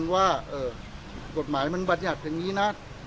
ว่ากฎหมายมันบรรยาบถึงงี้นะ